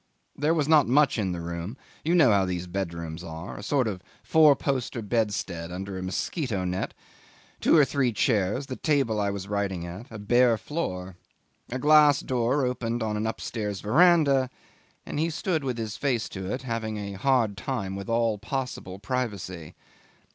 There was not much in the room you know how these bedrooms are a sort of four poster bedstead under a mosquito net, two or three chairs, the table I was writing at, a bare floor. A glass door opened on an upstairs verandah, and he stood with his face to it, having a hard time with all possible privacy.